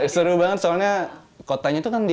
seru banget soalnya kotanya itu kan